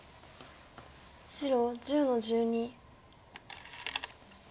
白１０の十二。